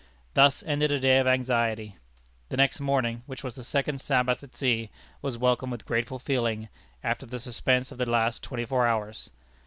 Thus ended a day of anxiety. The next morning, which was the second Sabbath at sea, was welcomed with a grateful feeling after the suspense of the last twenty four hours.